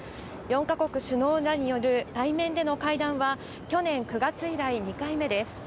４か国首脳らによる対面での会談は去年９月以来２回目です。